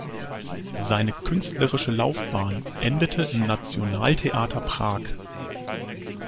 Seine künstlerische Laufbahn endete im Nationaltheater Prag.